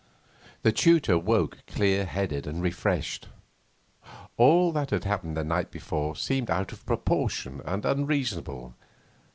The tutor woke clear headed and refreshed. All that had happened the night before seemed out of proportion and unreasonable.